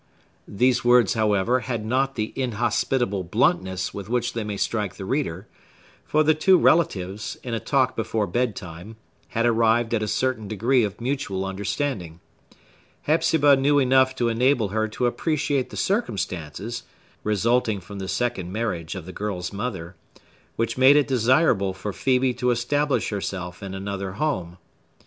These words, however, had not the inhospitable bluntness with which they may strike the reader; for the two relatives, in a talk before bedtime, had arrived at a certain degree of mutual understanding. Hepzibah knew enough to enable her to appreciate the circumstances (resulting from the second marriage of the girl's mother) which made it desirable for Phœbe to establish herself in another home.